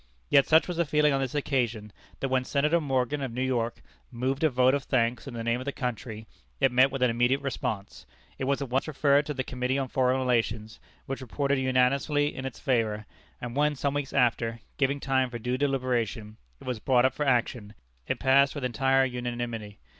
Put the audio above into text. Yet such was the feeling on this occasion, that when Senator Morgan, of New York, moved a vote of thanks in the name of the country, it met with an immediate response. It was at once referred to the Committee on Foreign Relations, which reported unanimously in its favor; and when, some weeks after, giving time for due deliberation, it was brought up for action, it passed with entire unanimity.